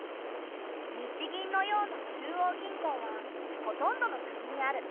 日銀のような中央銀行はほとんどの国にある。